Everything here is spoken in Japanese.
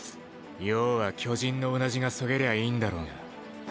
要は巨人のうなじが削げりゃいいんだろうが。